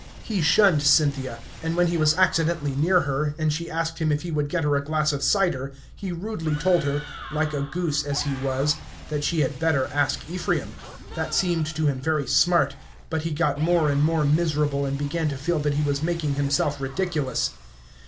He shunned Cynthia, and when he was accidentally near her, and she asked him if he would get her a glass of cider, he rudely told her like a goose as he was that she had better ask Ephraim. That seemed to him very smart; but he got more and more miserable, and began to feel that he was making himself ridiculous.